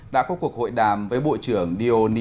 đã có cuộc hội đàm với bộ trưởng dionisio barbosares